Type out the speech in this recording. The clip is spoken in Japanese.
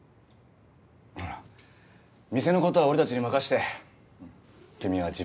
ほら店のことは俺たちに任してうん君は自分の夢を。